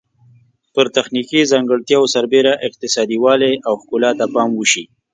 پر تخنیکي ځانګړتیاوو سربیره اقتصادي والی او ښکلا ته پام وشي.